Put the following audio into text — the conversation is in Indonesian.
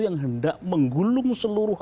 yang tidak menggulung seluruh